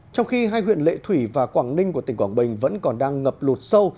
trong khi hai huyện lệ thủy và quảng ninh của tỉnh quảng bình vẫn còn đang ngập lụt sâu